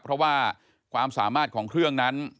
เพราะว่าความสามารถของเครื่องนั้น